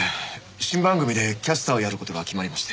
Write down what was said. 新番組でキャスターをやる事が決まりまして。